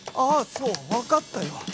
あそうわかったよ